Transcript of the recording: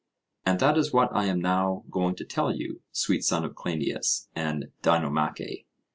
And that is what I am now going to tell you, sweet son of Cleinias and Dinomache.